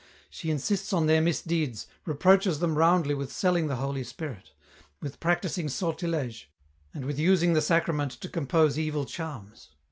" She insists on their misdeeds, reproaches them roundly with selling the Holy Spirit, with practising sortilege, and with using the Sacrament to compose evil charms."